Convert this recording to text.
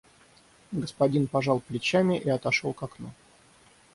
Господин пожал плечами и отошёл к окну.